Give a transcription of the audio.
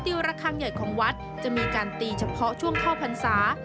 ระคังใหญ่ของวัดจะมีการตีเฉพาะช่วงเข้าพรรษา